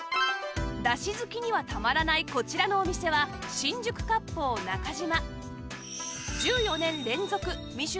だし好きにはたまらないこちらのお店は新宿割烹中嶋